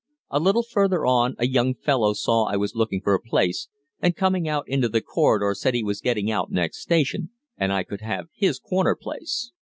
A little farther on a young fellow saw I was looking for a place, and coming out into the corridor said he was getting out next station and I could have his corner place.